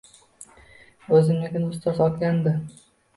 O‘zimnikini ustoz olgandi